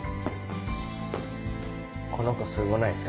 この子すごないですか？